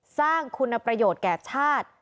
สร้างคุณประโยชน์แก่ชาติ